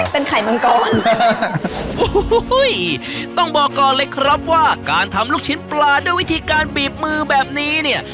เป็นไข่มังกรโอ้โหต้องบอกก่อนเลยครับว่าการทำลูกชิ้นปลาด้วยวิธีการบีบมือแบบนี้เนี่ย